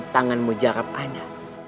tangan mujarak ana